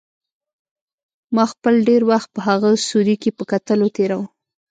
ما خپل ډېر وخت په هغه سوري کې په کتلو تېراوه.